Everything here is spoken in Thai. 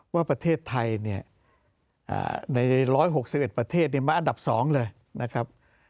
ว่าประเทศไทยใน๑๖๑ประเทศมั้ยอาฆาตอันดับสองเลยครับ